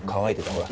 ほら。